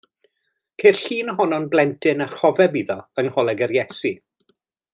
Ceir llun ohono'n blentyn a chofeb iddo yng Ngholeg yr Iesu.